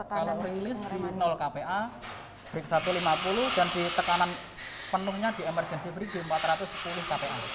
kalau rilis di kpa break satu ratus lima puluh dan di tekanan penuhnya di emergency break di empat ratus sepuluh kpa